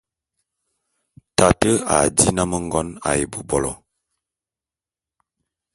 Tate a dí nnám ngon ā ebôbolo.